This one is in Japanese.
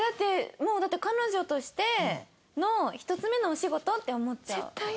だって彼女としての１つ目のお仕事って思っちゃう。